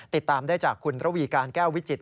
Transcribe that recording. ติดตามได้จากคุณระวีการแก้ววิจิต